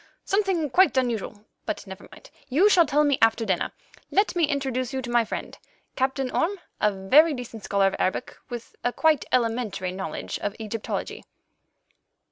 Something quite unusual. But never mind; you shall tell me after dinner. Let me introduce you to my friend, Captain Orme, a very decent scholar of Arabic, with a quite elementary knowledge of Egyptology."